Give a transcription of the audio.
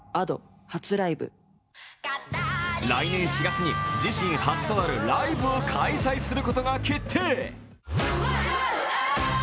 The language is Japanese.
来年４月に自身初となるライブを開催することが決定。